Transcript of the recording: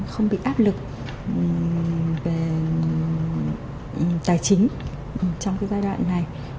không bị áp lực về tài chính trong giai đoạn này